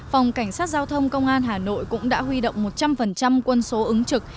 phòng cảnh sát giao thông công an hà nội cũng đã huy động một trăm linh quân số ứng trực